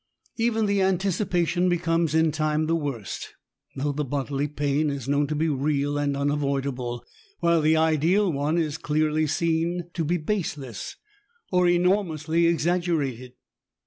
Even the anticipation becomes in time the worsts though the bodily pain is known to be real and unavoidable, while tiie ideal one is / clearly seen to be baseless, or enormously exagge rated.